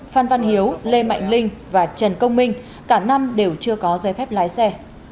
phan văn hiếu lê mạnh linh và trần công minh cả năm đều chưa có giấy phép lái xe